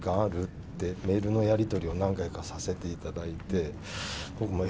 って、メールのやり取りを何回かさせていただいて、僕も、え？